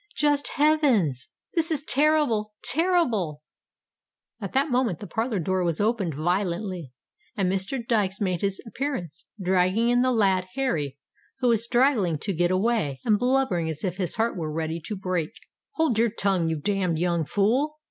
Just heavens! this is terrible—terrible!" At that moment the parlour door was opened violently, and Mr. Dykes made his appearance, dragging in the lad Harry, who was straggling to get away, and blubbering as if his heart were ready to break. "Hold your tongue, you damned young fool!"